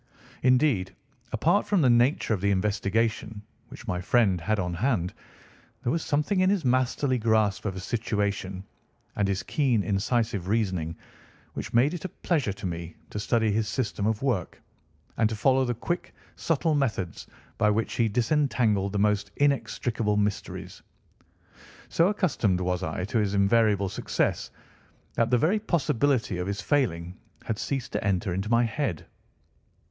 Indeed, apart from the nature of the investigation which my friend had on hand, there was something in his masterly grasp of a situation, and his keen, incisive reasoning, which made it a pleasure to me to study his system of work, and to follow the quick, subtle methods by which he disentangled the most inextricable mysteries. So accustomed was I to his invariable success that the very possibility of his failing had ceased to enter into my head.